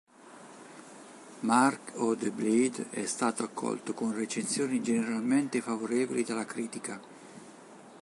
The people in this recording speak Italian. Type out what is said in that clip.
Mark of the Blade è stato accolto con recensioni generalmente favorevoli dalla critica.